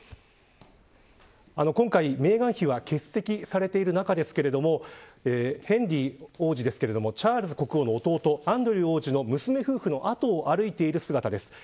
今回、メーガン妃は欠席されている中ですがヘンリー王子はチャールズ国王の弟アンドリュー王子の娘夫婦の後を歩いている姿です。